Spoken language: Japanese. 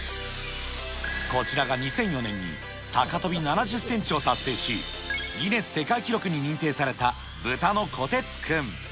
こちらが２００４年に高跳び７０センチを達成し、ギネス世界記録に認定された、豚の小鉄君。